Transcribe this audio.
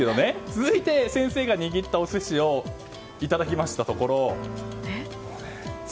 続いて先生が握ったお寿司をいただきましたところ。